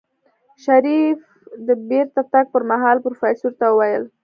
شريف د بېرته تګ پر مهال پروفيسر ته وويل.